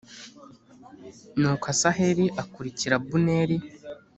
Nuko Asaheli akurikira Abuneri